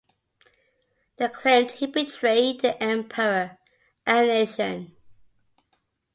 They claimed he betrayed the emperor and nation.